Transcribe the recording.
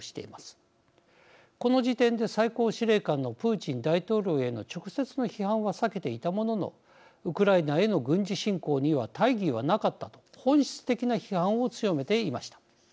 この時点で最高司令官のプーチン大統領への直接の批判は避けていたもののウクライナへの軍事侵攻には大義はなかったと本質的な批判を強めていました。